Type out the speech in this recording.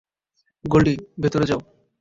গোল্ডি, ভেতরে যাও।